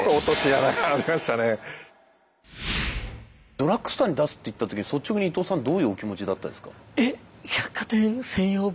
ドラッグストアに出すっていった時素直に伊藤さんどういうお気持ちだったですか？